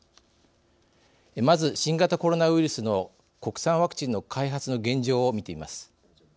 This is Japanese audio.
まず新型コロナウイルスの国産ワクチンの開発の現状を見てみます。